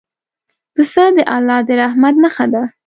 پسه د الله د رحمت نښه ده.